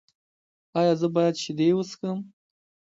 ایا زه باید شیدې وڅښم؟